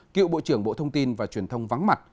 cựu bộ trưởng bộ thông tin và truyền thông vắng mặt